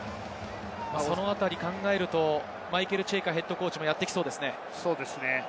そのあたりを考えると、マイケル・チェイカＨＣもやってきそうですね。